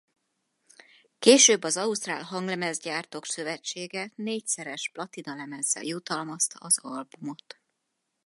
Később az Ausztrál Hanglemezgyártók Szövetsége négyszeres platinalemezzel jutalmazta az albumot.